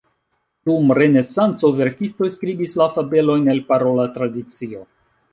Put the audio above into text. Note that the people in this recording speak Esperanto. Dum Renesanco, verkistoj skribis la fabelojn el parola tradicio.